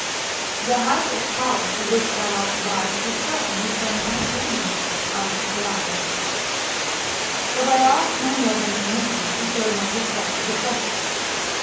"The height of power to which thou art arrived has certainly turned thy brain," answered Carathis; "but I ask no more than permission to show my respect for the Prophet.